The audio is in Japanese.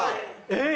えっ？